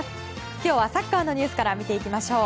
今日はサッカーのニュースから見ていきましょう。